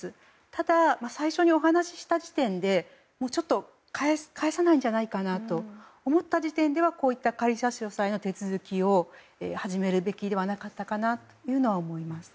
ただ、最初にお話しした時点で返さないんじゃないかなと思った時点ではこういった仮差し押さえの手続きを始めるべきではなかったかなと思います。